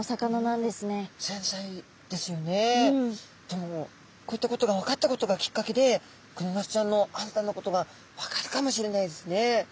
でもこういったことが分かったことがきっかけでクニマスちゃんの新たなことが分かるかもしれないですね。